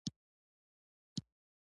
دښتې پراخې وساته.